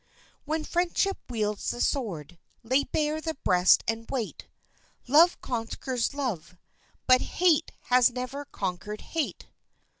"< When friendship wields the sword, lay bare the breast and wait. Love conquers love, but hate has never conquered hate.'